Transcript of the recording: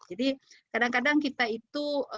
jadi kadang kadang kita itu